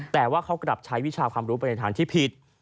แต่ว่าเขากลับใช้วิชาความรู้ไปในทางที่ผิด